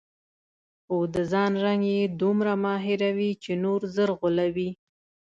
خو د ځان رنګ کې دومره ماهره وي چې نور ژر غولوي.